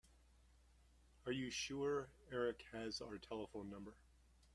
Are you sure Erik has our telephone number?